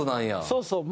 そうそう。